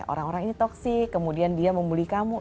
orang orang ini toxic kemudian dia membuli kamu